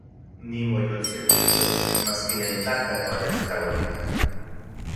Nimoyolseuijtok maski nentlakatl uan nechtlauelita.